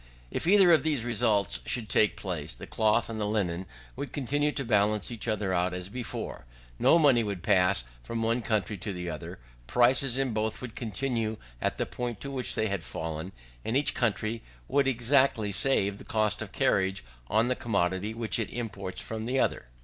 If either of these results should take place, the cloth and the linen would continue to balance each other as before: no money would pass from one country to the other; prices in both would continue at the point to which they had fallen, and each country would exactly save the cost of carriage on the commodity which it imports from the other.